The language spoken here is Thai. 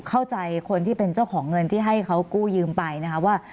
เข้าใจคนที่เป็นเจ้าของเงินที่ให้เขากู้ยืมไปนะคะว่า